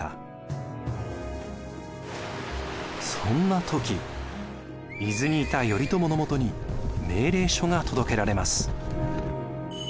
そんな時伊豆にいた頼朝のもとに命令書が届けられます。